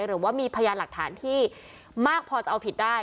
หรือว่ามีพยานหลักฐานที่มากพอจะเอาผิดได้